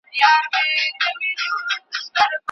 څه د باد په شان تیریږي ورځي شپې د لنډي عمر